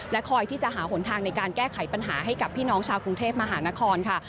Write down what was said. คอยที่จะหาหนทางในการแก้ไขปัญหาให้กับพี่น้องชาวกรุงเทพมหานครค่ะ